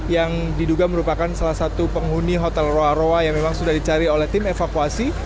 yang diduga merupakan salah satu penghuni hotel roa roa yang memang sudah dicari oleh tim evakuasi